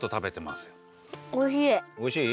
おいしい？